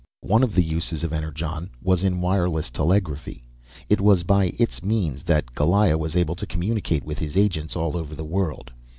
One of the uses of Energon was in wireless telegraphy. It was by its means that Goliah was able to communicate with his agents all over the world.